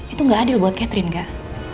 itu gak adil buat catherine kak